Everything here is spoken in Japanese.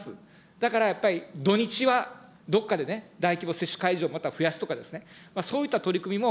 だからやっぱり、土日はどこかで大規模接種会場をまた増やすとかですね、そういった取り組みも。